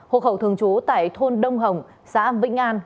hộ khẩu thường chú tại đội một thôn đông hồng xã vĩnh an